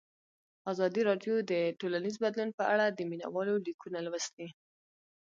ازادي راډیو د ټولنیز بدلون په اړه د مینه والو لیکونه لوستي.